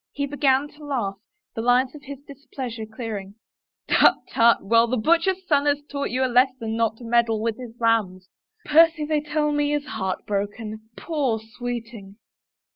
He began to laugh, the lines of his displeasure clearing. " Tut, tut !. Well, the butcher's son has taught you a lesson not to meddle with his lambs. Percy, they tell me, is heart broken — poor sweeting